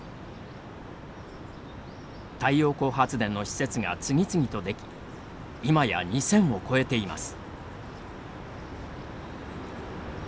太陽光発電の施設が次々とでき今や２０００を超えています。